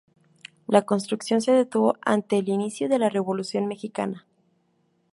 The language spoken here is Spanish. La construcción se detuvo ante el inicio de la Revolución Mexicana.